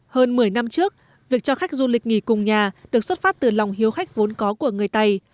hơn một mươi năm trước việc cho khách du lịch nghỉ cùng nhà được xuất phát từ lòng hiếu khách vốn có của người tày